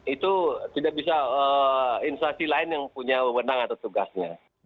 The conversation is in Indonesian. itu tidak bisa instansi lain yang punya wewenang atau tugasnya